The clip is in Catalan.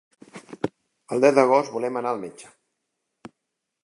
El deu d'agost volen anar al metge.